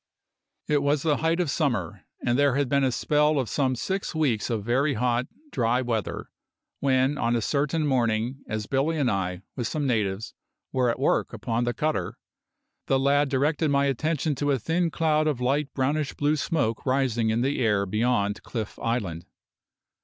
It was the height of summer, and there had been a spell of some six weeks of very hot, dry weather, when on a certain morning, as Billy and I, with some natives, were at work upon the cutter, the lad directed my attention to a thin cloud of light brownish blue smoke rising in the air beyond Cliff Island.